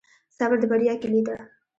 صبر د بریا کیلي ده